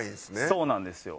そうなんですよ。